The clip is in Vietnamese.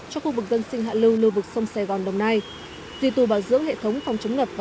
cho khu vực dân sinh hạ lưu nơi vực sông sài gòn đồng nay duy tù bảo dưỡng hệ thống phòng chống ngập và